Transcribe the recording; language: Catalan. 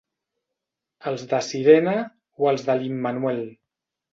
Els de sirena o els de l'Immanuel.